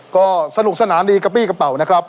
ก็สนุกสนานดีกระปี้กระเป๋านะครับ